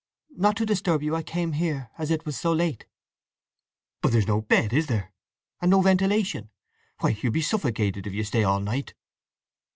"Not to disturb you I came here, as it was so late." "But there's no bed, is there? And no ventilation! Why, you'll be suffocated if you stay all night!"